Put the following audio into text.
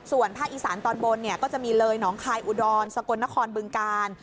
ส่วนภาคอีสานตอนบนเนี่ยก็จะมีเลยหนองคายอุดรสกลนครบึงกาล